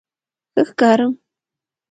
_ښه ښکارم؟